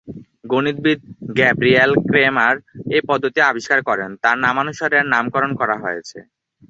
গণিতবিদ Gabriel Cramer এই পদ্ধতি আবিষ্কার করেন, তাই তার নামানুসারে এর নামকরণ করা হয়েছে।